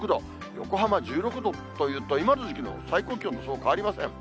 横浜１６度というと、今の時期の最高気温とそう変わりません。